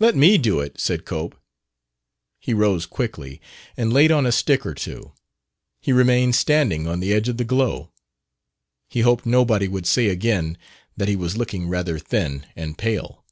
"Let me do it," said Cope. He rose quickly and laid on a stick or two. He remained standing on the edge of the glow. He hoped nobody would say again that he was looking rather thin and pale.